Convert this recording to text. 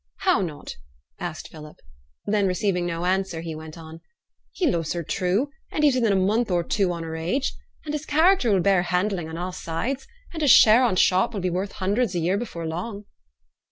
'How not?' asked Philip. Then, receiving no answer, he went on, 'He loves her true, and he's within a month or two on her age, and his character will bear handling on a' sides; and his share on t' shop will be worth hundreds a year afore long.'